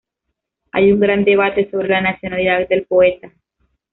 Hay un gran debate sobre la nacionalidad del poeta.